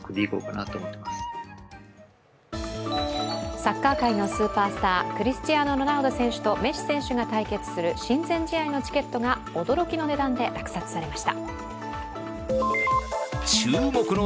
サッカー界のスーパースタークリスチアーノ・ロナウド選手とメッシ選手が対戦する親善試合のチケットが驚きの値段で落札されました。